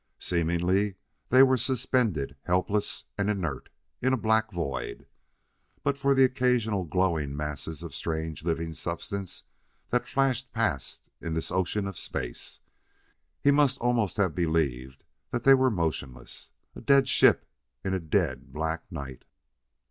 Seemingly they were suspended, helpless and inert, in a black void. But for the occasional glowing masses of strange living substance that flashed past in this ocean of space, he must almost have believed they were motionless a dead ship in a dead, black night.